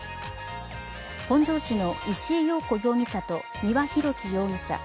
本庄市の石井陽子容疑者と丹羽洋樹容疑者